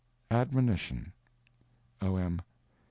Admonition O.M.